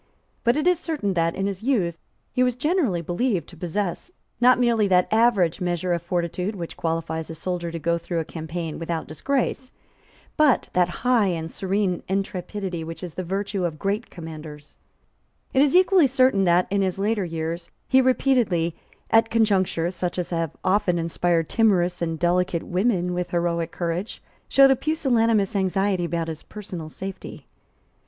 But it is certain that, in his youth, he was generally believed to possess, not merely that average measure of fortitude which qualifies a soldier to go through a campaign without disgrace, but that high and serene intrepidity which is the virtue of great commanders, It is equally certain that, in his later years, he repeatedly, at conjunctures such as have often inspired timorous and delicate women with heroic courage, showed a pusillanimous anxiety about his personal safety.